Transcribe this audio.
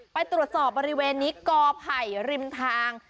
ไปตรวจสอบบริเวณนี้กอไผ่ริมทาง